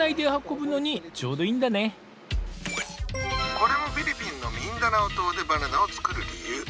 これもフィリピンのミンダナオ島でバナナを作る理由！